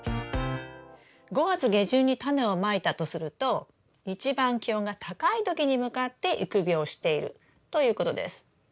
５月下旬にタネをまいたとすると一番気温が高い時に向かって育苗しているということです。